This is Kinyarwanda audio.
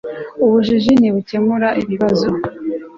ubujiji ntibukemura ikibazo